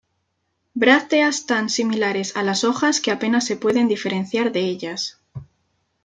Brácteas tan similares a las hojas que apenas se pueden diferenciar de ellas.